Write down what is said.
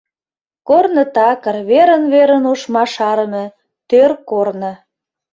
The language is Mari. Корно такыр, верын-верын ошма шарыме, тӧр корно.